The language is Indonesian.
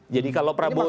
jadi kalau prabowo itu